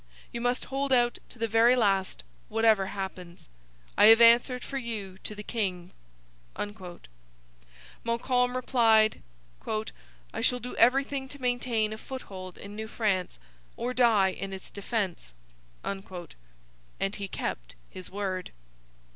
You must hold out to the very last, whatever happens. I have answered for you to the king.' Montcalm replied: 'I shall do everything to maintain a foothold in New France, or die in its defence'; and he kept his word.